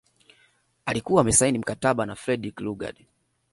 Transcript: Alikuwa amesaini mkataba na Frederick Lugard